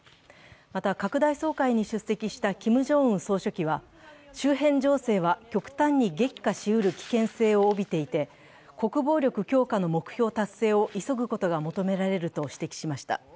また、拡大総会に出席したキム・ジョンウン総書記は周辺情勢は極端に激化しうる危険性を帯びていて国防力強化の目標達成を急ぐことが求められると指摘しました。